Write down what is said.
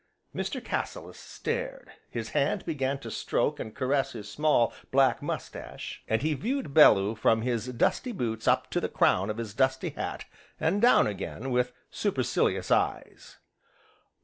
Mr. Cassilis stared, his hand began to stroke and caress his small, black moustache, and he viewed Bellew from his dusty boots up to the crown of his dusty hat, and down again, with supercilious eyes.